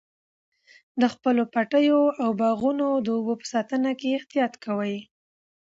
د خپلو پټیو او باغونو د اوبو په ساتنه کې احتیاط کوئ.